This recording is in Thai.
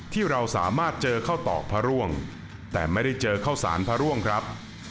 ที่เราสามารถเจอข้าวตอกพระร่วงแต่ไม่ได้เจอข้าวสารพระร่วงครับ